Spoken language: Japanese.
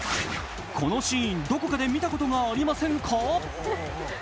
このシーン、どこかで見たことがありませんか？